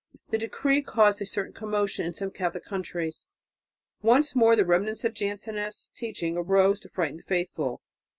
The decree caused a certain commotion in some Catholic countries. Once more the remnants of Jansenist teaching arose to frighten the faithful.